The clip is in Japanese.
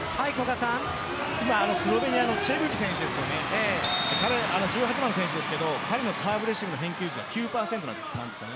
スロベニアのチェブリ選手１８番の選手ですけど彼のサーブレシーブの返球率が９％です。